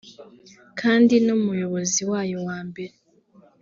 kandi n’umuyobozi wayo wa mbere